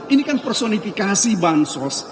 ini kan personifikasi bansos